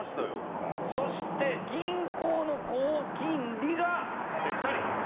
そして銀行の高金利が２人。